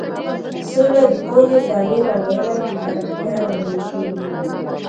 سوله د پوهې، تعلیم او علم د پراختیا لامل کیږي.